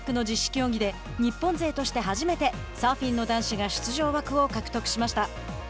競技で日本勢として初めてサーフィンの男子が出場枠を獲得しました。